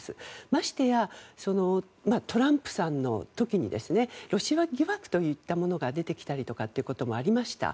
ましてや、トランプさんの時にロシア疑惑といったものが出てきたりということもありました。